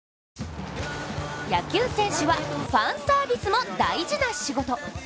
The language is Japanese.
野球選手はファンサービスも大事な仕事。